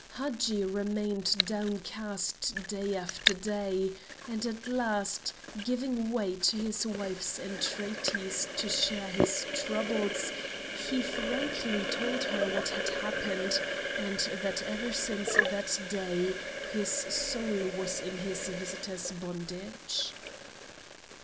Hadji remained downcast day after day, and at last, giving way to his wife's entreaties to share his troubles, he frankly told her what had happened, and that ever since that day his soul was in his visitor's bondage.